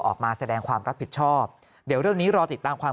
ออกมาแสดงความรับผิดชอบเดี๋ยวเรื่องนี้รอติดตามความ